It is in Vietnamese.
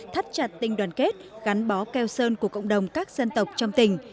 thắt chặt tình đoàn kết gắn bó keo sơn của cộng đồng các dân tộc trong tỉnh